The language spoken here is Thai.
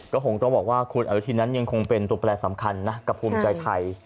ก็คงต้องบอกว่าหรือทีนั้นยังคงเป็นตัวปรากฏสำคัญนะกับคุมใจไทย